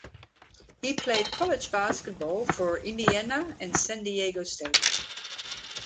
He played college basketball for Indiana and San Diego State.